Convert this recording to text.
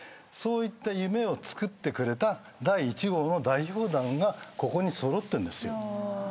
そういった夢をつくってくれた第１号の代表団がここに揃ってんですよ。